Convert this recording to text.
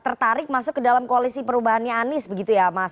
tertarik masuk ke dalam koalisi perubahannya anies begitu ya mas